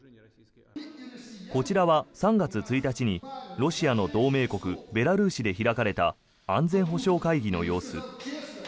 こちらは３月１日にロシアの同盟国ベラルーシで開かれた安全保障会議の様子。